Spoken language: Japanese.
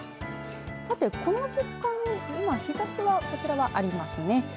さて、この時間に今、日ざしはこちらはありますね。